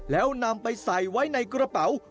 แล้วนำไปใส่ไว้ในกระเป๋า